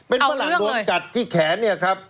เป็นฝรั่งโดนกัดที่แขน